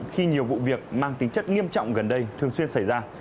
khi nhiều vụ việc mang tính chất nghiêm trọng gần đây thường xuyên xảy ra